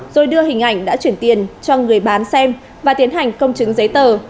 rồi đưa hình ảnh đã chuyển tiền cho người bán xem và tiến hành công chứng giấy tờ